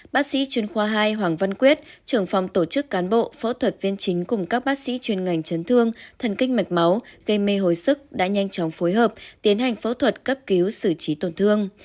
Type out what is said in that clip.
bác sĩ chuyên khoa hai hoàng văn quyết trưởng phòng tổ chức cán bộ phẫu thuật viên chính cùng các bác sĩ chuyên ngành chấn thương thần kinh mạch máu cây mê hồi sức đã nhanh chóng phối hợp tiến hành phẫu thuật cấp cứu xử trí tổn thương